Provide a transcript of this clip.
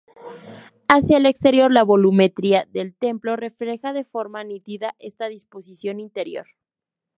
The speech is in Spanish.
Hacia el exterior la volumetría del templo refleja de forma nítida esta disposición interior.